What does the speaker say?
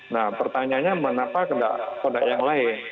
nah pertanyaannya kenapa tidak yang lain